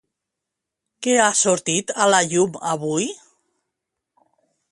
Què ha sortit a la llum avui?